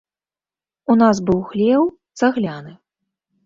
У нас быў хлеў цагляны.